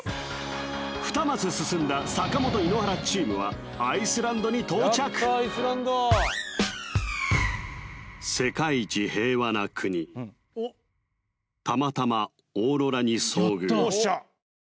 ２マス進んだ坂本井ノ原チームはアイスランドに到着世界一平和な国やった！よし！